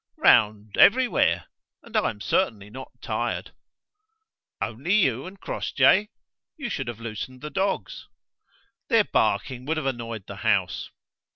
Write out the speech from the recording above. "Round everywhere! And I am certainly not tired." "Only you and Crossjay? You should have loosened the dogs." "Their barking would have annoyed the house."